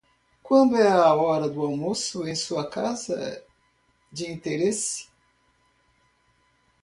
Quando é a hora do almoço em sua casa de interesse?